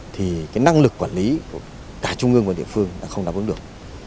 thì cái năng lực quản lý của cả trung ương và địa phương đã không đáp ứng được